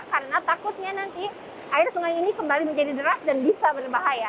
karena takutnya nanti air sungai ini kembali menjadi deras dan bisa berbahaya